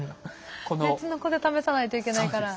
別の子で試さないといけないから。